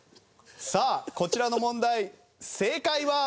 さあこちらの問題正解は。